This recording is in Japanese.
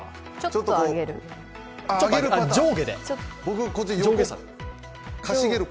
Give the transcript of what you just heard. ちょっと上げる。